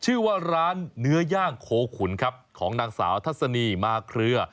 ชื่อว่าร้านเนื้อย่างโคขุนครับของนางสาวทัศนีมาเคลือ